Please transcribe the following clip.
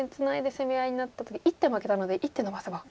攻め合いになった時１手負けたので１手のばせば。